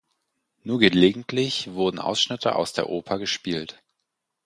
Nur gelegentlich wurden Ausschnitte aus der Oper gespielt.